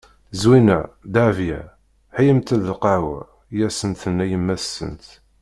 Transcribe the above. Zwina! Dehbiya! Heyyimt-d lqahwa. I asent-tenna yemma-tsent.